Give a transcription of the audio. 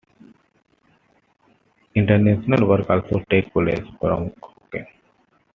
International work also takes place from Auggen.